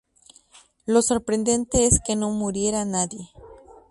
Lo sorprendente es que no muriera nadie.